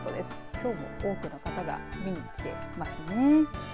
きょうも多くの方が見に来ていますね。